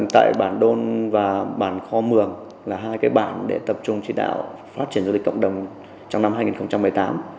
tại bản đôn và bản kho mường là hai cái bản để tập trung chỉ đạo phát triển du lịch cộng đồng trong năm hai nghìn một mươi tám